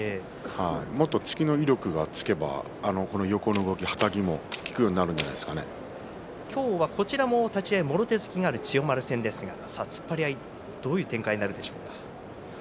もっと突きの威力がつけばこの横の動き、はたきも効くようになるんじゃこちらも立ち合いもろ手突きがある千代丸ですが突っ張り合い、どういう展開になるでしょうか。